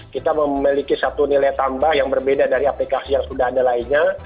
kita memiliki satu nilai tambah yang berbeda dari aplikasi yang sudah ada lainnya